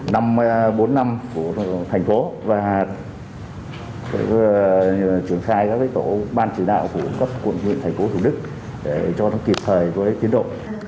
năm bốn năm của thành phố và truyền khai các cái tổ ban chỉ đạo của các quân quyền thành phố thủ đức để cho nó kịp thời với tiến độ